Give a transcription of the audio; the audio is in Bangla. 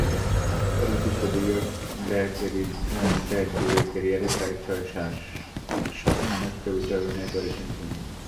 চলচ্চিত্রে দীর্ঘ দেড় যুগের ক্যারিয়ারে প্রায় শ-খানেক ছবিতে অভিনয় করেছেন তিনি।